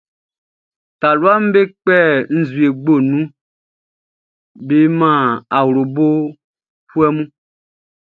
Taluaʼm be kpɛ nzue gboʼn nun be man awlobofuɛ mun.